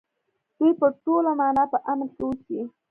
دوی په ټوله مانا په امن کې اوسي.